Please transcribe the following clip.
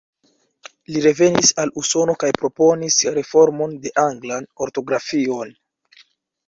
Li revenis al Usono kaj proponis reformon de anglan ortografion.